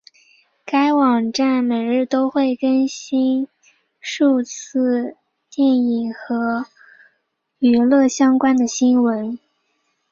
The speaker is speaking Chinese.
该网站每日都会更新数次电影和娱乐相关的新闻。